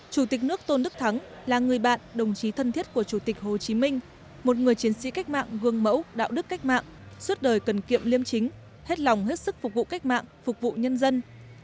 chủ tịch nước tôn đức thắng là người bạn đồng chí thân thiết của chủ tịch hồ chí minh một người chiến sĩ cách mạng gương mẫu đạo đức cách mạng suốt đời cần kiệm liêm chính hết lòng hết sức phục vụ cách mạng phục vụ nhân dân